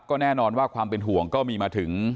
ก็แน่นอนว่าความเป็นห่วงก็มีมาถึง